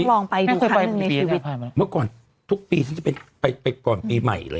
เมื่อก่อนที่ผมพยายามภัยมั้งคือเมื่อก่อนทุกปีฉันจะเป็นไปก่อนปีใหม่